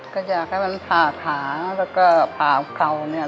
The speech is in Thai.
ก็อยากให้มันผ่าขาแล้วก็ผ่าเข่าเนี่ย